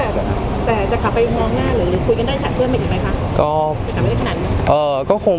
แล้วแต่จะขับไปห่วงหน้าหรือคุยกันได้ฉันเพื่อนไหมค่ะ